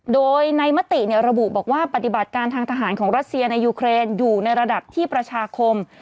โดยในมติระบุบอกว่าปฏิบัติการทางทหารของรัสเซียในยูเครนอยู่ในระดับที่ประชาคม